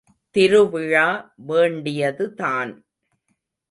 திருவிழா வேண்டியது தான்!